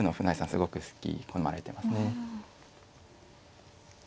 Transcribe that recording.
すごくすき好まれてますね。